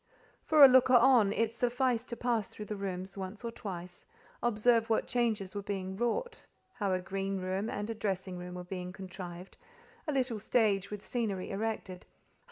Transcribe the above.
For a looker on, it sufficed to pass through the rooms once or twice, observe what changes were being wrought, how a green room and a dressing room were being contrived, a little stage with scenery erected, how M.